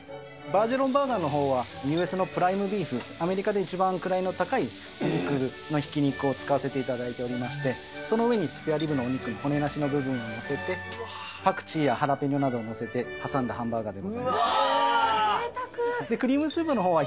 バージェロンバーガーのほうは、アメリカのプライムビーフ、アメリカで一番位の高い肉のひき肉を使わせていただきまして、その上にスペアリブのお肉の骨なしの部分を載せてパクチーやハラペーニョなどを載せて挟んでハンバーガーで。